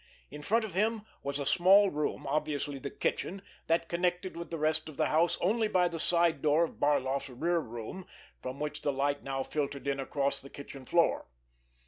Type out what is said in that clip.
In front of him was a small room, obviously the kitchen, that connected with the rest of the house only by the side door of Barloff's rear room from which the light now filtered in across the kitchen floor.